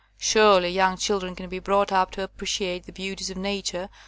Surely young children can be brought up to appreciate the beauties of Nature without 80 n.